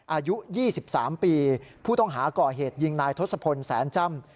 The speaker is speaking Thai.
อายุ๒๓ปีผู้ต้องหาก่อเหตุยิงนายทศพลแสนจ้ำ